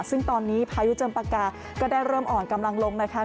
ซึ่งตอนนี้พายุเจิมปากกาก็ได้เริ่มอ่อนกำลังลงนะคะ